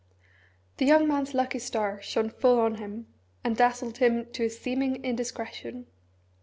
The young man's lucky star shone full on him, and dazzled him to a seeming indiscretion.